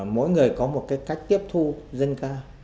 mỗi người có một cách tiếp thu dân ca